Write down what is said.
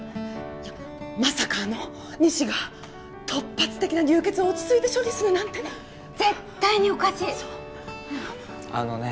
いやまさかあの仁志が突発的な流血を落ち着いて処理するなんてうん絶対におかしいそうあのねえ